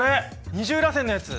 二重らせんのやつ。